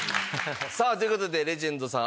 さあという事でレジェンドさん